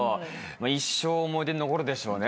一生思い出に残るでしょうね。